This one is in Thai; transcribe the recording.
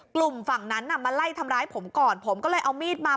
กลุ่มฝั่งนั้นน่ะมาไล่ทำร้ายผมก่อนผมก็เลยเอามีดมา